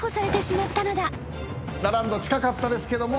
ラランド近かったですけども。